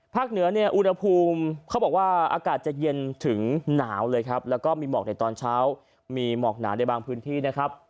เหนือเนี่ยอุณหภูมิเขาบอกว่าอากาศจะเย็นถึงหนาวเลยครับแล้วก็มีหมอกในตอนเช้ามีหมอกหนาในบางพื้นที่นะครับ